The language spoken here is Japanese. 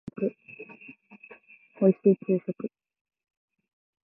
おいしい給食